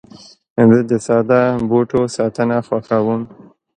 زه د ساده بوټو ساتنه خوښوم.